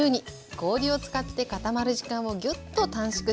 氷を使って固まる時間をギュッと短縮します。